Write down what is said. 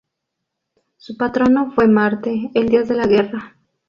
Su patrono fue Marte, el dios de la guerra.